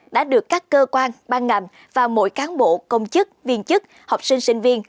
đã được các cơ quan ban ngành và mỗi cán bộ công chức viên chức học sinh sinh viên